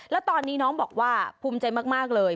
แล้วตอนนี้น้องบอกว่าภูมิใจมากเลย